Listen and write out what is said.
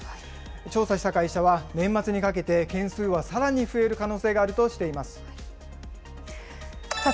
調査した会社は、年末にかけて、件数はさらに増える可能性があるさあ